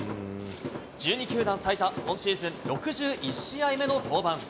１２球団最多、今シーズン６１試合目の登板。